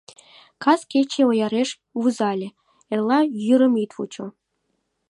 Кас кече ояреш вузале — эрла йӱрым ит вучо.